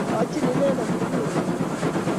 'Gochi Inendet muguleldo